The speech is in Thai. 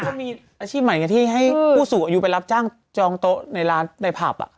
เขามีอาชีพใหม่ไงที่ให้ผู้สูงอายุไปรับจ้างจองโต๊ะในร้านในผับ